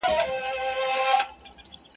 الوپه شوتالو پېوند دي.